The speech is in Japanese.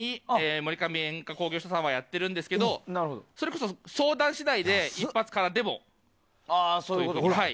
一応、１５発からというふうに森上煙火工業所さんはやってるんですけどそれこそ相談次第で１発からでもということです。